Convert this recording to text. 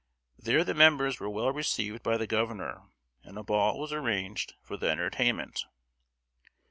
There the members were well received by the governor, and a ball was arranged for their entertainment.